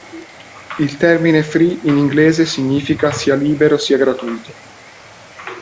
Il termine free in inglese significa sia libero sia gratuito.